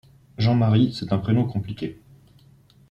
Jean-Marie c'est un prénom compliqué.